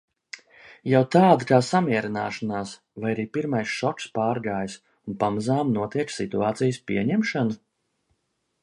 Jau tāda kā samierināšanās vai arī pirmais šoks pārgājis un pamazām notiek situācijas pieņemšana?